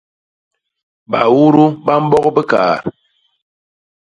Baudu ba mbok bikaat.